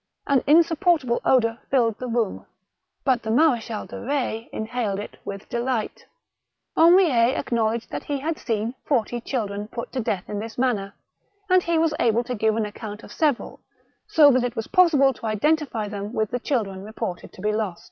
An insupportable odour filled the room, but the Marechal de Eetz inhaled it with delight. Henriet acknowledged that he had seen forty children put to death in this manner, and he was able to give an account of several, so that it was possible to identify them with the children reported to be lost.